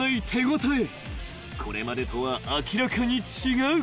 ［これまでとは明らかに違う］